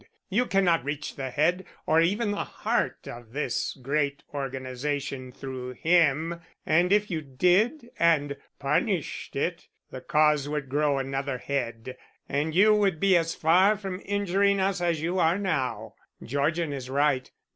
You cannot reach the Head or even the Heart of this great organization through him, and if you did and punished it, the Cause would grow another head and you would be as far from injuring us as you are now. Georgian is right.